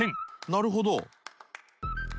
なるほど。